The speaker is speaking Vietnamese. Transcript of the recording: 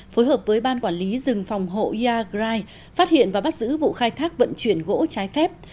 phối hợp với ban quản lý rừng phòng hộ iagrai phát hiện và bắt giữ vụ khai thác vận chuyển gỗ trái phép